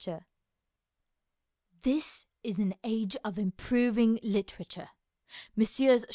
XXX THIS is an age of improving literature. Messrs.